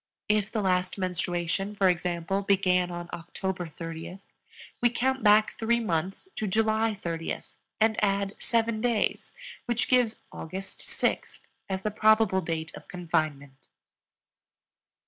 If the last menstruation, for example, began on October 30th, we count back three months to July 30th and add seven days, which gives August 6th as the probable date of confinement.